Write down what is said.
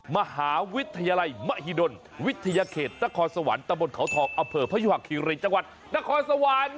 มหาวิทยาลัยมหิดลวิทยาเขตนครสวรรค์ตะบนเขาทองอเภอพยุหะคีรีจังหวัดนครสวรรค์